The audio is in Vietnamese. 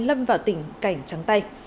lâm vào tỉnh cảnh trắng tay